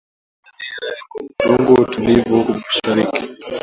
Wana nia ya kuvuruga utulivu huko mashariki